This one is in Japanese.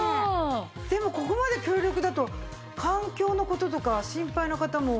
でもここまで強力だと環境の事とか心配な方も。